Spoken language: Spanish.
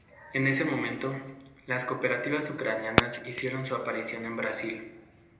En ese momento, las cooperativas ucranianas hicieron su aparición en Brasil.